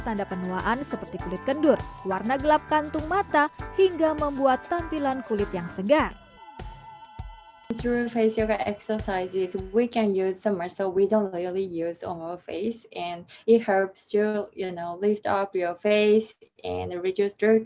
tanda penuaan seperti kulit kendur warna gelap kantung mata hingga membuat tampilan kulit yang segar